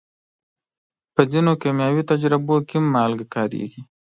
په ځینو کیمیاوي تجربو کې هم مالګه کارېږي.